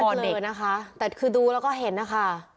ขออนุญาตเลยนะคะแต่คือดูแล้วก็เห็นนะคะ